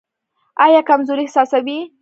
ایا کمزوري احساسوئ؟